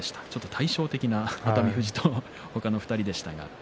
対照的な熱海富士とその他の２人でした。